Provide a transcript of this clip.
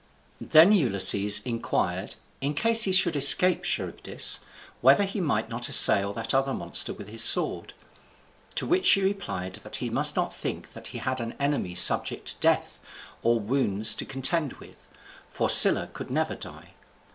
Then Ulysses inquired, in case he should escape Charybdis, whether he might not assail that other monster with his sword; to which she replied that he must not think that he had an enemy subject to death, or wounds, to contend with, for Scylla could never die.